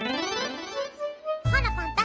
ほらパンタ。